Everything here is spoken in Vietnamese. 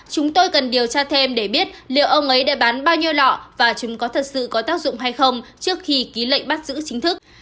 chúng tôi cần điều tra thêm để biết liệu ông ấy đã bán bao nhiêu lọ và chúng có thật sự có tác dụng hay không trước khi ký lệnh bắt giữ chính thức